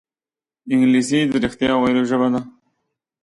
انګلیسي د رښتیا ویلو ژبه ده